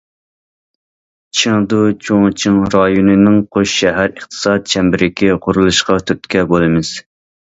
چېڭدۇ- چۇڭچىڭ رايونىنىڭ قوش شەھەر ئىقتىساد چەمبىرىكى قۇرۇلۇشىغا تۈرتكە بولىمىز.